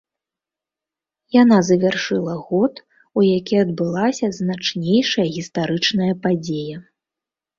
Яна завяршыла год, у які адбылася значнейшая гістарычная падзея.